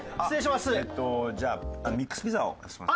えっとじゃあミックスピザを出してもらって。